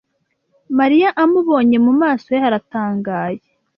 Mariya amubonye, mu maso he haratangaye.